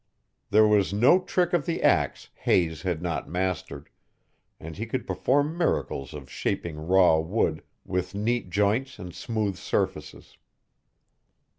There was no trick of the axe Hayes had not mastered, and he could perform miracles of shaping raw wood with neat joints and smooth surfaces.